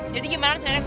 jadi bagaimana saya